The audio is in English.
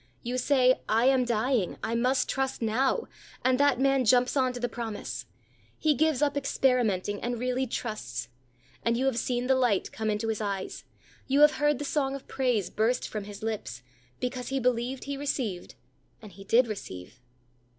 You say, "I am dying: I must trust now," and that man jumps on to the promise. He gives up experimenting, and really trusts; and you have seen the light come into his eyes; you have heard the song of praise burst from his lips, because he believed he received, and he did receive.